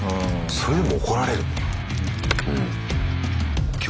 それでも怒られるんだ。